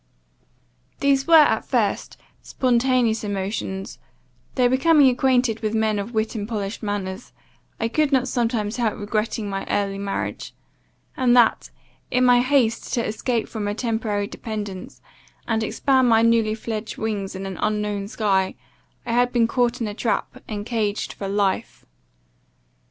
"These were, at first, spontaneous emotions, though, becoming acquainted with men of wit and polished manners, I could not sometimes help regretting my early marriage; and that, in my haste to escape from a temporary dependence, and expand my newly fledged wings, in an unknown sky, I had been caught in a trap, and caged for life.